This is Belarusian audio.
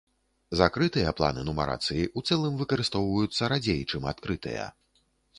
Закрытыя планы нумарацыі, у цэлым, выкарыстоўваюцца радзей, чым адкрытыя.